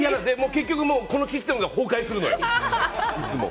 結局、このシステムが崩壊するのよ、いつも。